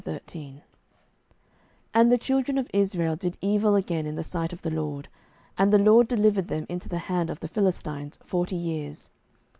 07:013:001 And the children of Israel did evil again in the sight of the LORD; and the LORD delivered them into the hand of the Philistines forty years.